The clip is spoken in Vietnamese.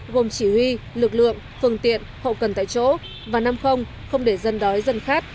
gồm chỉ huy lực lượng phương tiện hậu cần tại chỗ và năm không để dân đói dân khát